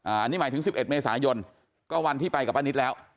อ่านี่หมายถึงสิบเอ็ดเมษายนก็วันที่ไปกับอันนี้แล้ว